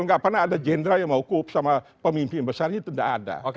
tidak pernah ada jenderal yang mau kubur sama pemimpin besar itu tidak ada